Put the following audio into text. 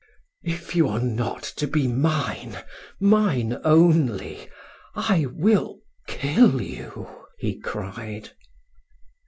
"If you are not to be mine, mine only, I will kill you!" he cried.